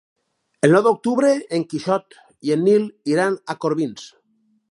El nou d'octubre en Quixot i en Nil iran a Corbins.